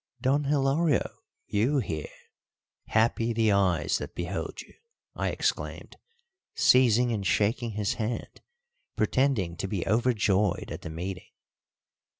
"Don Hilario you here! Happy the eyes that behold you," I exclaimed, seizing and shaking his hand, pretending to be overjoyed at the meeting.